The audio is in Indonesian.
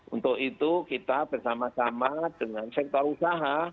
untuk itu kita bersama sama dengan sektor usaha